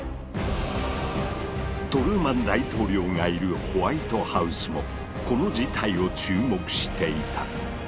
トルーマン大統領がいるホワイトハウスもこの事態を注目していた。